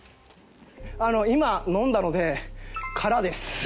今飲んだので空です。